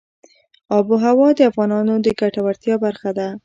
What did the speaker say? آب وهوا د افغانانو د ګټورتیا برخه ده.